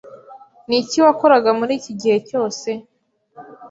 Niki wakoraga muri iki gihe cyose!